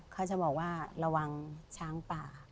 เขาจะบอกว่าระวังช้างป่า